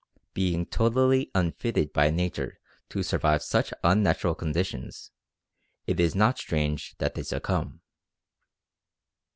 Being totally unfitted by nature to survive such unnatural conditions, it is not strange that they succumb.